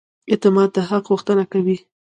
اعتماد د حق غوښتنه کوي.